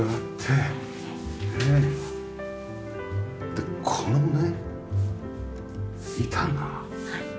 でこのね板が。